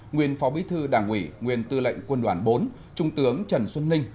nguyên phó bí thư đảng ủy nguyên tư lệnh quân đoàn bốn trung tướng trần xuân ninh